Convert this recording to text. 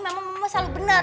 memang mama selalu benar